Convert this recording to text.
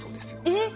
えっ！